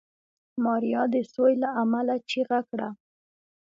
ماريا د سوي له امله چيغه کړه.